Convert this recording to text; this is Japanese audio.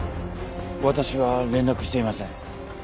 わたしは連絡していません。